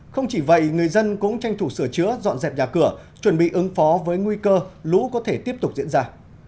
không chỉ vậy người dân cũng tranh thủ sửa chữa dọn dẹp nhà cửa chuẩn bị ứng phó với nguy cơ lũ có thể tiếp tục diễn ra